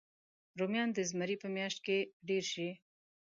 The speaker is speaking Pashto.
رومیان د زمري په میاشت کې ډېر شي